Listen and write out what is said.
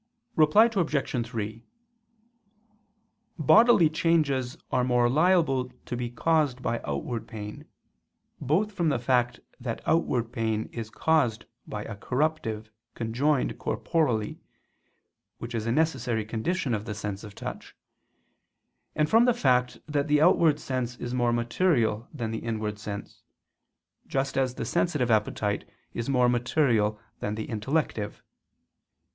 Reply Obj. 3: Bodily changes are more liable to be caused by outward pain, both from the fact that outward pain is caused by a corruptive conjoined corporally, which is a necessary condition of the sense of touch; and from the fact that the outward sense is more material than the inward sense, just as the sensitive appetite is more material than the intellective.